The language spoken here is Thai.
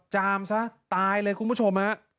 จามซะตายเลยคุณผู้ชมฮะ